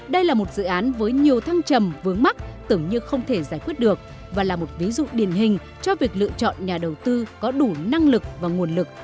đây là một dự án với nhiều thăng trầm vướng mắc tưởng như không thể giải quyết được và là một ví dụ điển hình cho việc lựa chọn nhà đầu tư có đủ năng lực và nguồn lực